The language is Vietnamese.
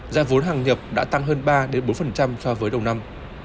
giá vốn hàng nhập đã tăng hơn ba bốn so với đầu năm